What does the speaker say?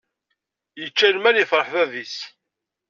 Yečča lmal yefreḥ bab-is.